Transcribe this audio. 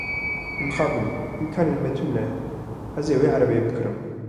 Mixabin, îmkanên min tune ez vê erebeyê bikirim.